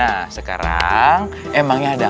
nah sekarang emangnya ada